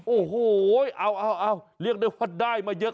โอ้โหเอาเรียกได้ว่าได้มาเยอะ